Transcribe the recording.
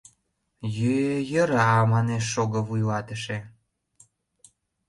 — Йӧ-йӧра, — манеш Шого вуйлатыше.